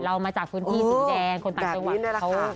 เรามาจากพื้นพี่สิงแดงคนต่างจังหวัดเขา